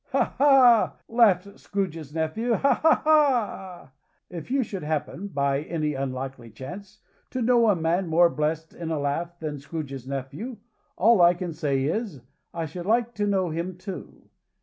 "Ha! ha!" laughed Scrooge's nephew. "Ha! ha! ha!" If you should happen, by any unlikely chance, to know a man more blessed in a laugh than Scrooge's nephew, all I can say is, I should like to know him too.